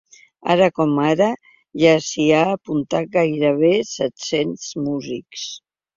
Ara com ara, ja s’hi han apuntat gairebé set-cents músics.